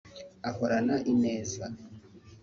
ahorana ineza